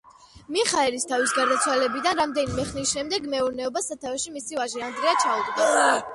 მიხა ერისთავის გარდაცვალებიდან რამდენიმე ხნის შემდეგ მეურნეობას სათავეში მისი ვაჟი ანდრია ჩაუდგა.